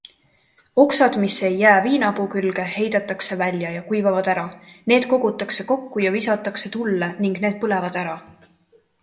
Oksad, mis ei jää viinapuu külge, heidetakse välja ja kuivavad ära, need kogutakse kokku ja visatakse tulle ning need põlevad ära.